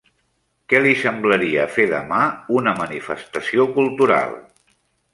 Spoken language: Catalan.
Què li semblaria fer demà una manifestació cultural?